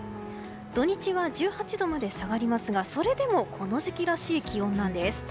土日は１８度まで下がりますがそれでもこの時期らしい気温なんです。